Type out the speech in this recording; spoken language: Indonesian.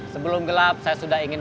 sebelum gelap saya sudah ingin